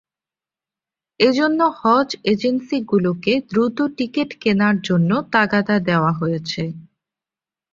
এ জন্য হজ এজেন্সিগুলোকে দ্রুত টিকিট কেনার জন্য তাগাদা দেওয়া হয়েছে।